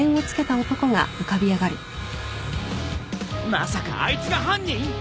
まさかあいつが犯人！？